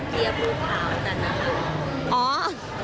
เฮียบลูกเท้าตาหนา